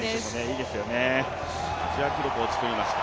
アジア記録を作りました。